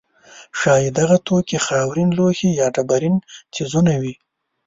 ښایي دغه توکي خاورین لوښي یا ډبرین څیزونه وي.